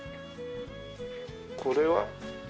これは？